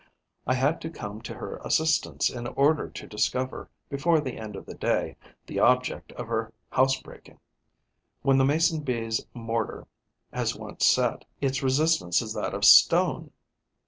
I had to come to her assistance in order to discover, before the end of the day, the object of her housebreaking. When the Mason bee's mortar has once set, its resistance is that of stone.